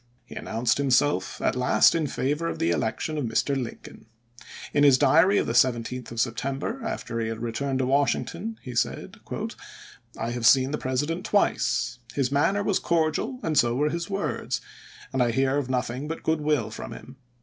He announced himself at last in favor of the election of Mr. Lincoln. In his diary of the 17th of Sep 1864. tember, after he had returned to Washington, he said: "I have seen the President twice. .. His manner was cordial and so were his words ; and I hear of nothing but good will from him.